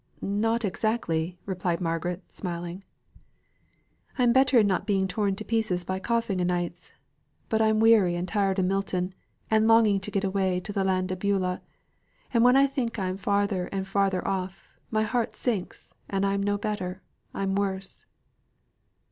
"Not exactly," replied Margaret, smiling. "I'm better in not being torn to pieces by coughing o' nights, but I'm weary and tired o' Milton, and longing to get away to the land o' Beulah? and when I think I'm farther and farther off, my heart sinks, and I'm no better; I'm worse."